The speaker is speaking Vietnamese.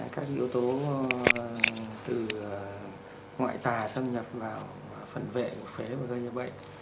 các yếu tố từ ngoại tà xâm nhập vào phần vệ của phế và do như vậy